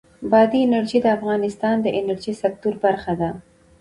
بادي انرژي د افغانستان د انرژۍ سکتور برخه ده.